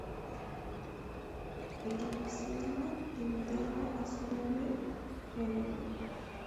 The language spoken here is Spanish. El reyezuelo de Madeira es un ave monógama.